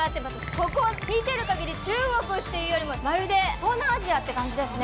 ここ、見てる限り、中国っていうよりも、まるで東南アジアって感じですね。